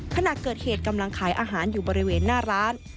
ขณะเกิดเหตุกำลังขายอาหารอยู่บริเวณหน้าร้าน